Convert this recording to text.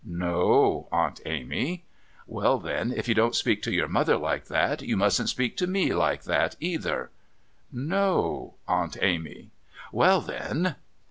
"No, Aunt Amy." "Well, then, if you don't speak to your mother like that, you mustn't speak to me like that, either." "No, Aunt Amy." "Well, then..."